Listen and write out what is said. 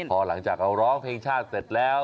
พอหลังจากเราร้องเพลงชาติเสร็จแล้ว